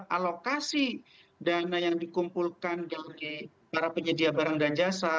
alokasi dana yang dikumpulkan dari para penyedia barang dan jasa